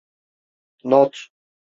Not: